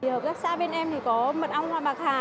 hợp tác xã bên em có mực ong hoa bạc hà